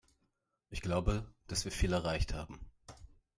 Ich glaube, dass wir viel erreicht haben.